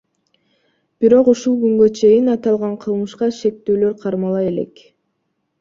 Бирок ушул күнгө чейин аталган кылмышка шектүүлөр кармала элек.